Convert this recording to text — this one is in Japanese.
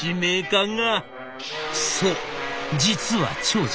そう実は長司